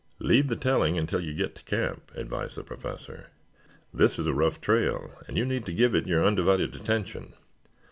"Leave the telling until you get to camp," advised the Professor. "This is a rough trail, and you need to give it your undivided attention."